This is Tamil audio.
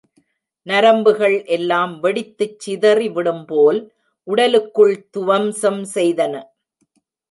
நரம்புகள் எல்லாம் வெடித்துச் சிதறி விடும்போல் உடலுக்குள் துவம்சம் செய்தன.